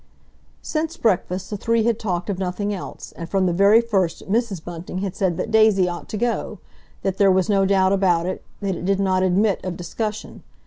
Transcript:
Since breakfast the three had talked of nothing else, and from the very first Mrs. Bunting had said that Daisy ought to go—that there was no doubt about it, that it did not admit of discussion.